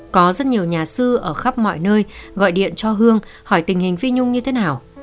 có rất nhiều nhà sư ở khắp mọi nơi gọi điện cho hương hỏi tình hình phi nhung như thế nào